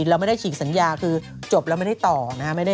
เราไม่ได้ฉีกสัญญาคือจบแล้วไม่ได้ต่อนะฮะ